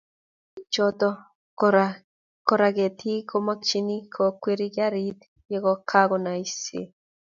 Taban eng choto, kora ketik komakiyanchi kokweri garit ye kakonoisie